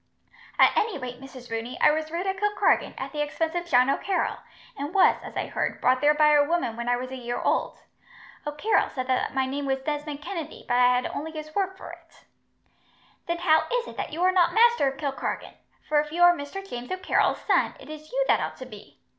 "At any rate, Mrs. Rooney, I was reared at Kilkargan, at the expense of John O'Carroll, and was, as I heard, brought there by a woman when I was a year old. O'Carroll said that my name was Desmond Kennedy, but I had only his word for it." "Then how is it that you are not master of Kilkargan, for if you are Mr. James O'Carroll's son, it is you that ought to be?